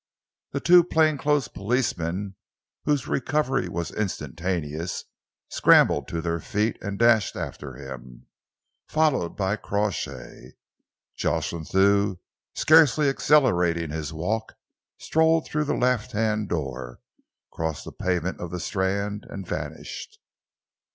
The two plainclothes policemen, whose recovery was instantaneous, scrambled to their feet and dashed after him, followed by Crawshay. Jocelyn Thew, scarcely accelerating his walk, strolled through the left hand door, crossed the pavement of the Strand and vanished.